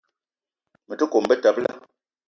Me te kome betebela.